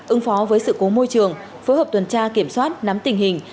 ứng phó với sự cố môi trường phối hợp tuần tra kiểm soát nắm tình hình